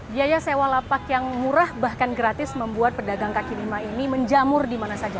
biaya sewa lapak yang murah bahkan gratis membuat pedagang kaki lima ini menjamur dimana saja